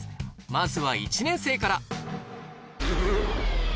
まずは１年生からうぅ。